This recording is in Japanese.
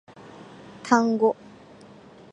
タンゴ